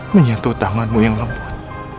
menyentuh tanganmu yang lembut